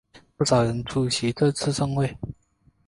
不少人出席这次盛会。